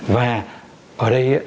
và ở đây